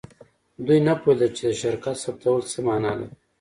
دوی نه پوهیدل چې د شرکت ثبتول څه معنی لري